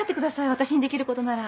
わたしにできることなら。